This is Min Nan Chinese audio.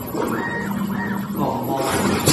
狂妄